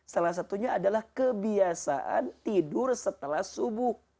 salah satunya adalah kebiasaan tidur setelah subuh